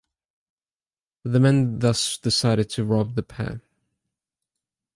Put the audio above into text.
The men thus decided to rob the pair.